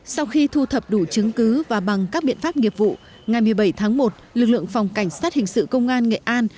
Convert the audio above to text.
sau khi thu thập đủ chứng cứ và bằng các biện pháp nghiệp vụ ngày một mươi bảy tháng một lực lượng phòng cảnh sát hình sự công an nghệ an